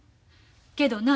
けどな。